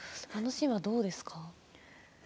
あのシーンはどうですか。